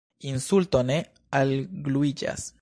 Insulto ne algluiĝas.